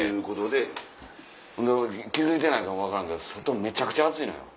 で気付いてないかも分からんけど外めちゃくちゃ暑いのよ。